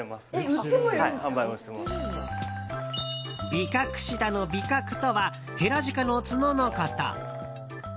ビカクシダのビカクとはヘラジカの角のこと。